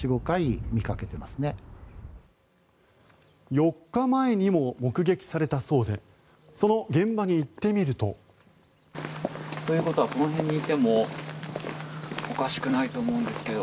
４日前にも目撃されたそうでその現場に行ってみると。ということはこの辺にいてもおかしくないと思うんですけど。